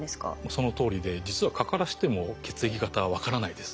そのとおりで実は蚊からしても血液型は分からないです。